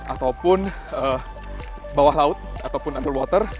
ataupun bawah laut ataupun underwater